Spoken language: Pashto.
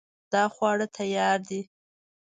دا خواړه تیار دي